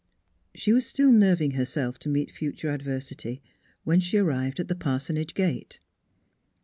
She was still nerving herself to meet future adversity when she arrived at the parsonage gate.